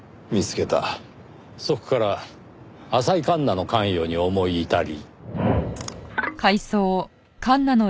そこから浅井環那の関与に思い至り。